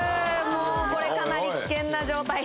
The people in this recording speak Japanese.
もうこれかなり危険な状態。